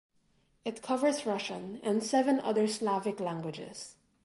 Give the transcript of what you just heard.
It covers Russian and seven other Slavic languages.